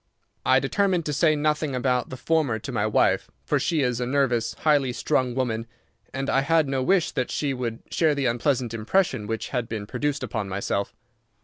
I determined to say nothing about the former to my wife, for she is a nervous, highly strung woman, and I had no wish that she would share the unpleasant impression which had been produced upon myself.